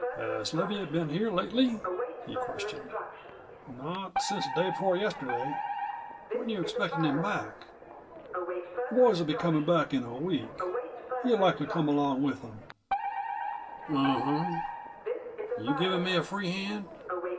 "Has Leviatt been here lately?" he questioned. "Not since the day before yesterday." "When you expectin' him back?" "The boys'll be comin' back in a week. He'll likely come along with them." "U um. You're giving me a free hand?"